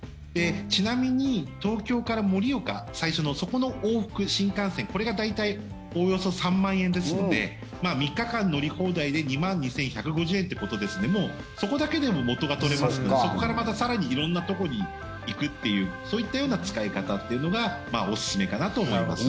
ちなみに東京から盛岡最初の、そこの往復新幹線これがおおよそ３万円ですので３日間乗り放題で２万２１５０円ということでもうそこだけでも元が取れますのでそこからまた更に色んなところに行くというそういったような使い方がおすすめかなと思います。